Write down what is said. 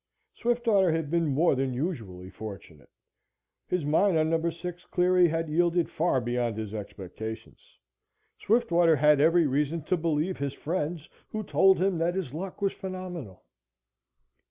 Swiftwater had been more than usually fortunate. His mine on Number 6 Cleary had yielded far beyond his expectations. Swiftwater had every reason to believe his friends who told him that his luck was phenomenal.